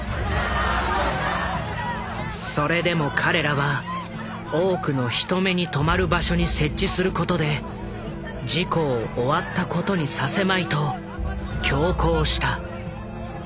それでも彼らは多くの人目に留まる場所に設置することで事故を終わったことにさせまいと強行した。